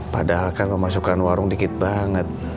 padahal kan pemasukan warung dikit banget